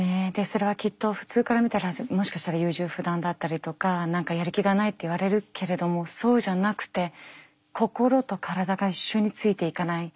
それはきっと普通から見たらもしかしたら優柔不断だったりとか何かやる気がないって言われるけれどもそうじゃなくて心と体が一緒についていかない。